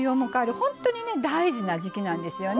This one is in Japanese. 本当に大事な時季なんですよね。